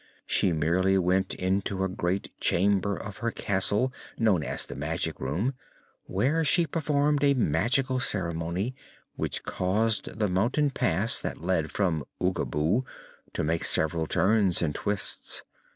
She merely went into a great chamber of her castle, known as the Magic Room, where she performed a magical ceremony which caused the mountain pass that led from Oogaboo to make several turns and twists.